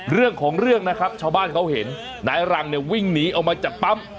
เรื่องของเรื่องนะครับชาวบ้านเขาเห็นนายรังเนี่ยวิ่งหนีออกมาจากปั๊ม